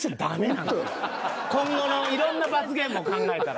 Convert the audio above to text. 今後のいろんな罰ゲームを考えたら。